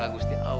agus di awal